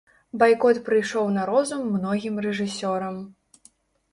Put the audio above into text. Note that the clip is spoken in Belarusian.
Байкот прыйшоў на розум многім рэжысёрам.